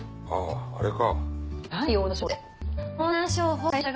ああれか。